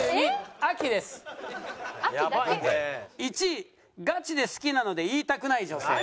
１位ガチで好きなので言いたくない女性。